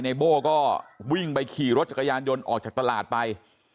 โบ้ก็วิ่งไปขี่รถจักรยานยนต์ออกจากตลาดไป